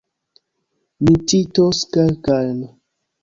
Mi citos kelkajn.